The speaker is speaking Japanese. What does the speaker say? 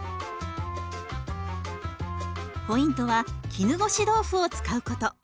ポイントは絹ごし豆腐を使うこと。